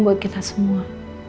buat kita semua